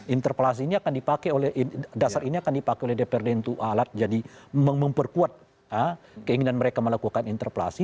interpelasi ini akan dipakai oleh dprd untuk alat jadi memperkuat keinginan mereka melakukan interpelasi